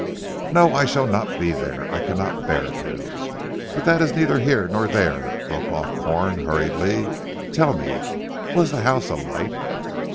"No! I shall not be there. I cannot bear to but that is neither here nor there," broke off Corn hurriedly, "tell me, was the house alight?"